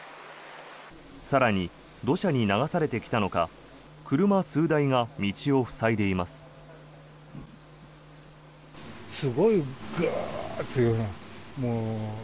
更に、土砂に流されてきたのか車数台が道を塞いでいます。